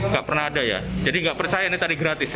gak pernah ada ya jadi gak percaya ini tadi gratis ya